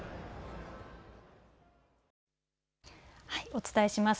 お伝えします。